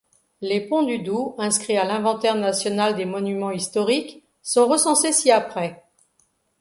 Les ponts du Doubs inscrits à l’inventaire national des monuments historiques sont recensés ci-après.